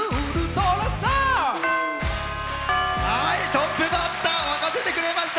トップバッター沸かせてくれました。